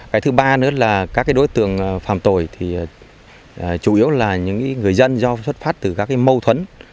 cái thứ ba nữa là các đối tượng phạm tội thì chủ yếu là những người dân do xuất phát từ các mâu thuẫn